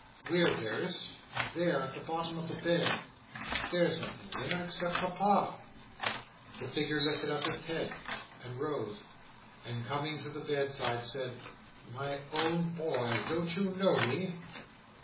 "Where, dearest?" "There! at the bottom of the bed." "There's nothing there, except Papa!" The figure lifted up its head, and rose, and coming to the bedside, said: "My own boy! Don't you know me?"